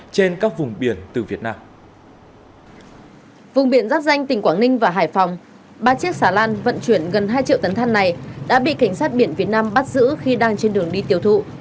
ba chiếc xà lan vận chuyển gần hai triệu tấn thăn này đã bị cảnh sát biển việt nam bắt giữ khi đang trên đường đi tiêu thụ